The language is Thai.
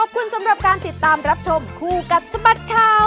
ขอบคุณสำหรับการติดตามรับชมคู่กับสบัดข่าว